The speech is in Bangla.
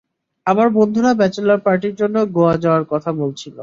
আমার বন্ধুরা ব্যাচেলর পার্টির জন্য গোয়া যাওয়ার কথা বলছিল।